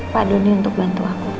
pak doni untuk bantu aku